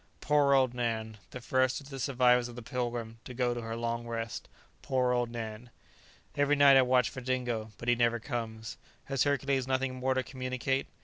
Poor old Nan! the first of the survivors of the "Pilgrim" to go to her long rest! Poor old Nan! Every night I watch for Dingo; but he never comes. Has Hercules nothing more to communicate?